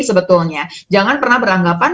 sebetulnya jangan pernah beranggapan